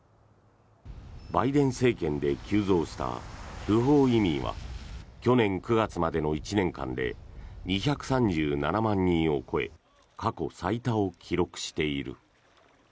バイデン政権で急増した不法移民は去年９月までの１年間で２３７万人を超え過去最多を記録している。